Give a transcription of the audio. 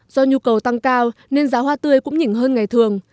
do nhu cầu tăng cao nên giá hoa tươi cũng nhỉnh hơn ngày thường